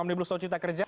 omnibus law cipta kerja